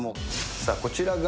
さあ、こちらが。